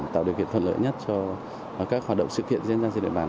tạo điều kiện thuận lợi nhất cho các hoạt động sự kiện diễn ra trên địa bàn